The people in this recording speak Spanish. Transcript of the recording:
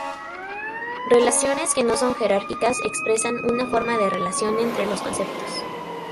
Relaciones que no son jerárquicas expresan una forma de relación entre los conceptos.